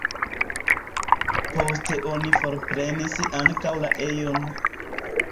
Poste oni forprenis ankaŭ la ejon.